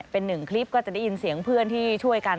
เป็นหนึ่งคลิปก็จะได้ยินเสียงเพื่อนที่ช่วยกัน